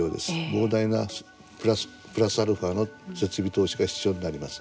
膨大なプラスアルファの設備投資が必要になります。